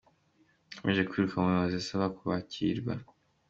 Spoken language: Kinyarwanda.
Yakomeje kwiruka mu buyobozi asaba kubakirwa.